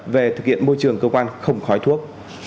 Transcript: về thực hiện môi trường cơ quan không khói thuốc